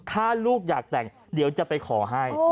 ถ้าลูกอยากแต่งเดี๋ยวจะไปขอให้